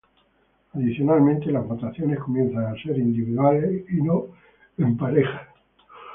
Adicionalmente, las votaciones comienzan a ser individuales y no en parejas.